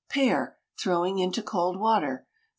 Pare, throwing into cold water.